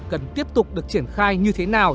cần tiếp tục được triển khai như thế nào